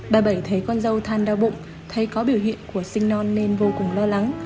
bà bảy thấy con dâu than đau bụng thấy có biểu hiện của sinh non nên vô cùng lo lắng